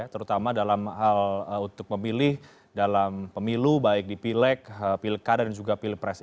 terutama dalam hal untuk memilih dalam pemilu baik di pileg pilkada dan juga pilpres